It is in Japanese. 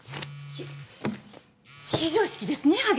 ひっ非常識ですね